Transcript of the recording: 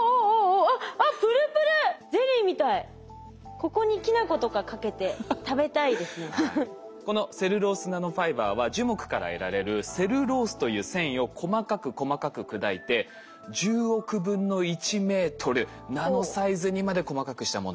ここにこのセルロースナノファイバーは樹木から得られるセルロースという繊維を細かく細かく砕いて１０億分の１メートルナノサイズにまで細かくしたもの。